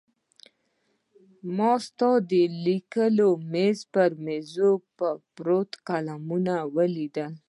ما ستا د لیکلو مېز او پر مېز پراته قلمونه ولیدل.